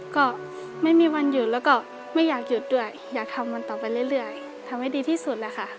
ก็ไม่มีวันหยุดแล้วก็ไม่อยากหยุดด้วยอยากทำมันต่อไปเรื่อยทำให้ดีที่สุดแหละค่ะ